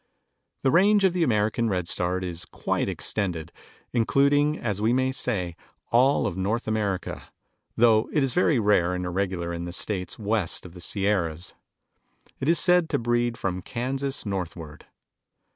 The range of the American Redstart is quite extended, including, as we may say, all of North America, though it is very rare and irregular in the States west of the Sierras. It is said to breed from Kansas northward.